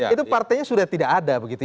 itu partainya sudah tidak ada begitu ya